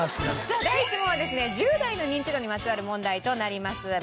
さあ第１問はですね１０代のニンチドにまつわる問題となりますが。